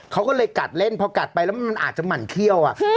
เขาก็เลยกัดเล่นพอกัดไปแล้วมันอาจจะหมั่นเขี้ยว